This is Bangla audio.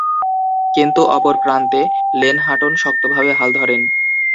কিন্তু, অপর প্রান্তে লেন হাটন শক্তভাবে হাল ধরেন।